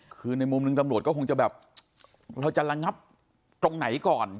คือในมุมหนึ่งตำรวจก็คงจะแบบเราจะระงับตรงไหนก่อน